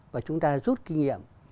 và chúng ta rút kinh nghiệm